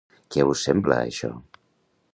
Què us sembla, això?